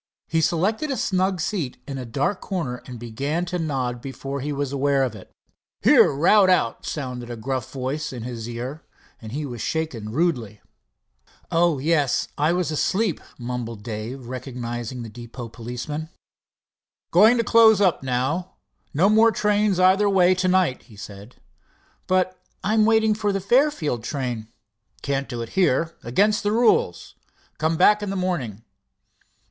He selected a snug seat in a dark corner and began to nod before he was aware of it. "Here, rout out," sounded a gruff voice in his ear, and he was shaken rudely. "Oh—yes, I was asleep," mumbled Dave, recognizing the depot policeman. "Going to close up. No more trains either way to night," he said. "But I'm waiting for the Fairfield train." "Can't do it here. Against the rules. Come back in the morning."